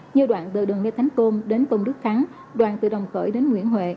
như đoạn từ đường lê thánh côn đến công đức khắng đoạn từ đồng khởi đến nguyễn huệ